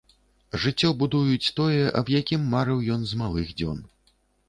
Жыццё будуюць, тое, аб якім марыў ён з малых дзён.